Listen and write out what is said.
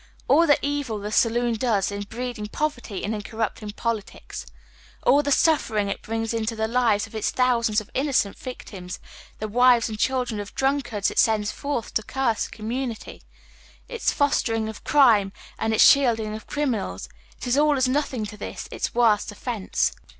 Ail the evii the saloon does in breeding poverty and in corrupting politics ; all the suffering it brings into the lives of its thousands of innocent victims, the wives and cliildren of drunkards it sends forth to curse the commu nity ; its fostering of crime and its shielding of criminals — it is all as nothing to this, its worst offence.